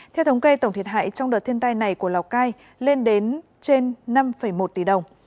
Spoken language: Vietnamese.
theo thống kê tổng thiệt hại trong đợt thiên tai này của lào cai lên đến trên năm một tỷ đồng